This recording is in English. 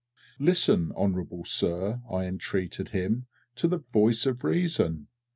"Listen, honourable Sir," I entreated him, "to the voice of Reason!